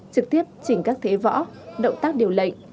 trực tiếp chỉnh các thế võ động tác điều lệnh